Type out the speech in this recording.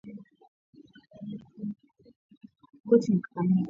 Kwetu ni kakamega